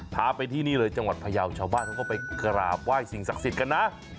พาไปที่นี่เลยจังหวัดพยาวชาวบ้านเขาก็ไปกราบไหว้สิ่งศักดิ์สิทธิ์กันนะ